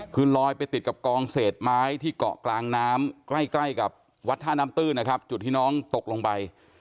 คือลอยไปติดกับกองเศษไม้ที่เกาะกลางน้ำใกล้ใกล้กับวัดท่าน้ำตื้นนะครับจุดที่น้องตกลงไป